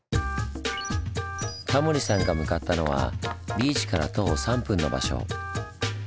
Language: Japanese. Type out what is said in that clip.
タモリさんが向かったのはビーチから徒歩３分の場所。